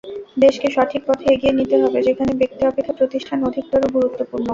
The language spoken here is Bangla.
দেশকে সঠিক পথে এগিয়ে নিতে হবে, যেখানে ব্যক্তি অপেক্ষা প্রতিষ্ঠান অধিকতর গুরুত্বপূর্ণ।